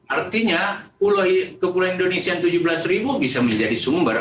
artinya kepulauan indonesia tujuh belas ribu bisa menjadi sumber